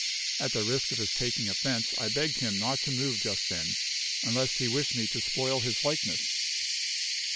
At the risk of his taking offense, I begged him not to move just then, unless he wished me to spoil his likeness.